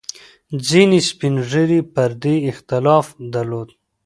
ځینې سپین ږیري پر دې اختلاف درلود.